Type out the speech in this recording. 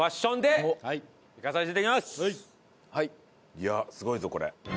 いやすごいぞこれ。